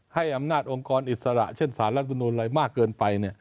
ให้อำนาจองค์กรอิสระเช่นสารรัฐมนุนอะไรมากเกินไป